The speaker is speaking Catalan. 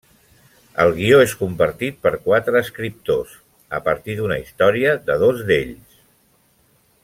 El guió és compartit per quatre escriptors, a partir d’una història de dos d’ells.